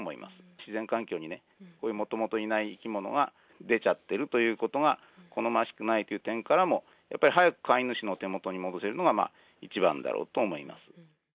自然環境にね、これもともといない生き物が出ちゃってるということが、好ましくないという点からも、やっぱり早く飼い主の手元に戻せるのが一番だろうと思います。